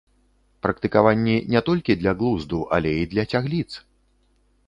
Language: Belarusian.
Практыкаванні не толькі для глузду, але і для цягліц!